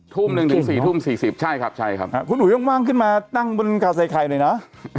ทุ่ม๔ทุ่ม๔๐ใช่ครับคุณอุ๋ย้อนว่างขึ้นมานั่งบนกาไซคัยหน่อยนะ